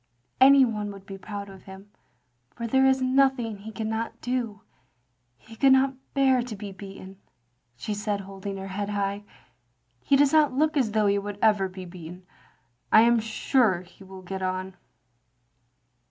"" Any one would be proud of him, for there is nothing he cannot do. He could never bear to be beaten, " she said, holding her head high. "He does not look as though he would ever be beaten. I am stu^ he will get on.